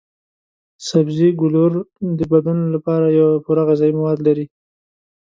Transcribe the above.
سبزي ګولور د بدن لپاره پوره غذايي مواد لري.